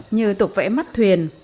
như tục vẽ mắt thuyền